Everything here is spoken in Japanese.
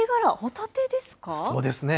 そうですね。